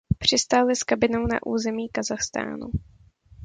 Přistáli s kabinou na území Kazachstánu.